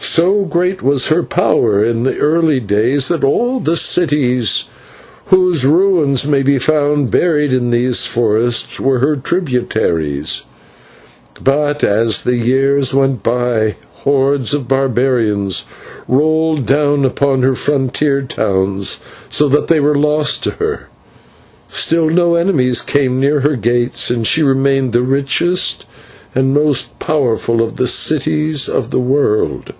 So great was her power in the early days that all the cities whose ruins may be found buried in these forests were her tributaries, but as the years went by, hordes of barbarians rolled down upon her frontier towns so that they were lost to her. Still no enemies came near her gates, and she remained the richest and most powerful of the cities of the world.